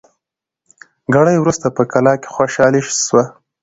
ګړی وروسته په کلا کي خوشالي سوه